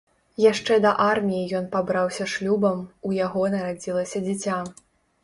Яшчэ да арміі ён пабраўся шлюбам, у яго нарадзілася дзіця.